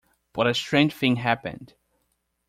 But a strange thing happened.